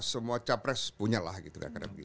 semua capres punya lah gitu